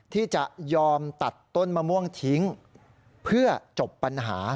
ที่จะยอมตัดต้นมะม่วงทิ้งเพื่อจบปัญหา